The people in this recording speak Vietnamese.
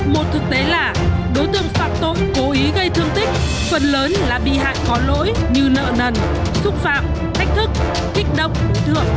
một thực tế là đối tượng phạm tội cố ý gây thương tích phần lớn là bị hại có lỗi như nợ nần xúc phạm thách thức kích động thượng